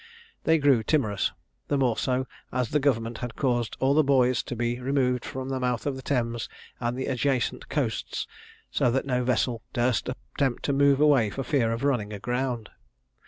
They grew timorous; the more so, as the government had caused all the buoys to be removed from the mouth of the Thames and the adjacent coasts, so that no vessel durst attempt to move away for fear of running aground.